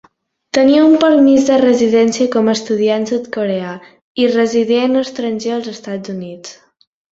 Tenia un permís de residència com estudiant sud-coreà i resident estranger als Estats Units.